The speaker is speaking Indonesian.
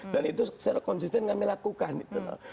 dan itu secara konsisten kami lakukan gitu loh